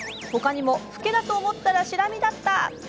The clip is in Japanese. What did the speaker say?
ほかにもフケだと思ったらシラミだった！